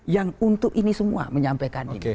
yang untuk ini semua menyampaikan ini